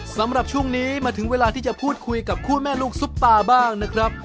สำหรับช่วงนี้มาถึงเวลาที่จะพูดคุยกับคู่แม่ลูกซุปตาบ้างนะครับ